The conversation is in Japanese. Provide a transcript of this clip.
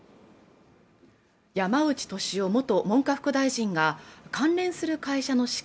山内俊夫元文科副大臣が関連する会社の資金